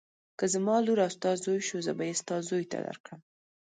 که زما لور او ستا زوی شو زه به یې ستا زوی ته درکړم.